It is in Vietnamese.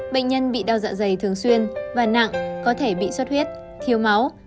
bệnh nhân bị đau dạ dày thường xuyên và nặng có thể bị suất huyết thiếu máu